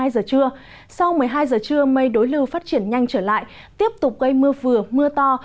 một mươi giờ trưa sau một mươi hai giờ trưa mây đối lưu phát triển nhanh trở lại tiếp tục gây mưa vừa mưa to